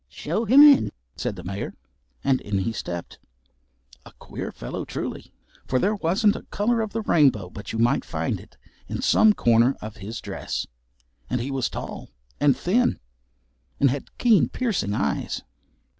"Show him in," said the Mayor, and in he stepped. A queer fellow, truly. For there wasn't a colour of the rainbow but you might find it in some corner of his dress, and he was tall and thin, and had keen piercing eyes.